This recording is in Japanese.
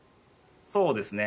そうですね。